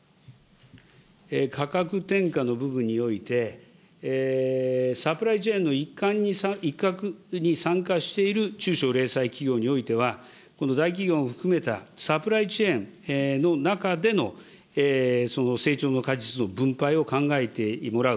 価格転嫁の部分において、サプライチェーンの一角に参加している中小零細企業においては、この大企業も含めたサプライチェーンの中での成長の果実の分配を考えてもらう。